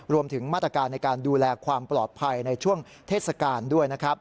รวมถึงมาตรการในการดูแลความปลอดภัยในช่วงเทศกาลด้วยนะครับ